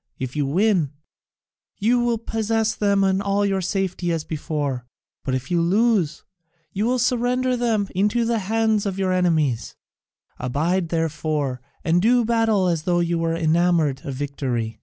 If you win, you will possess them all in safety as before, but if you lose, you must surrender them into the hands of your enemies. Abide, therefore, and do battle as though you were enamoured of victory.